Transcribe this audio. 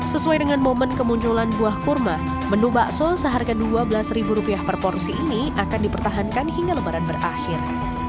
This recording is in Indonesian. sesuai dengan momen kemunculan buah kurma menu bakso seharga dua belas per porsi ini akan dipertahankan hingga lebaran berakhir